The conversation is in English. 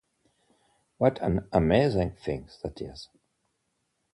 What an amazing thing that is!